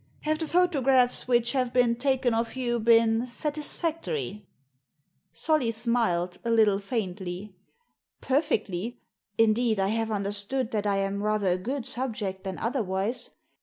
Have the photographs which have been taken of you been satisfactory ?" Solly smiled, a little faintly. "Perfectly; indeed, I have understood that I am rather a good subject than otherwise.